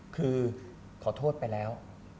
คือขอโทษไปแล้ว